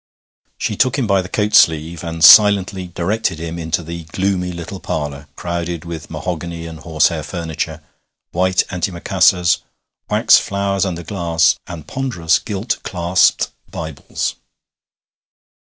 She took him by the coat sleeve and silently directed him into the gloomy little parlour crowded with mahogany and horsehair furniture, white antimacassars, wax flowers under glass, and ponderous gilt clasped Bibles.